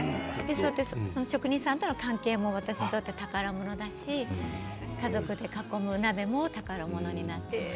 職人さんとの関係も私にとって宝物だし家族で囲む鍋も宝物になっています。